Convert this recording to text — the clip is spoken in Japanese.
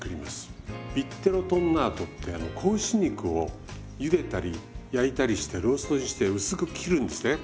ビッテロトンナートってあの子牛肉をゆでたり焼いたりしてローストにして薄く切るんですね。